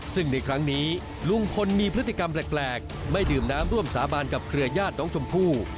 ซึ่งในครั้งนี้ลุงพลมีพฤติกรรมแปลกไม่ดื่มน้ำร่วมสาบานกับเครือญาติน้องชมพู่